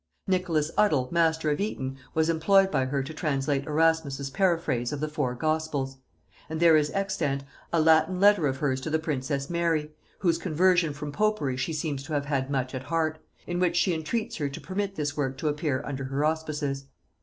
Nicholas Udal master of Eton was employed by her to translate Erasmus's paraphrase of the four gospels; and there is extant a Latin letter of hers to the princess Mary, whose conversion from popery she seems to have had much at heart, in which she entreats her to permit this work to appear under her auspices.